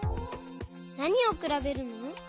なにをくらべるの？